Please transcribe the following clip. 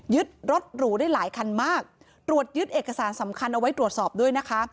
รถหรูได้หลายคันมากตรวจยึดเอกสารสำคัญเอาไว้ตรวจสอบด้วยนะคะ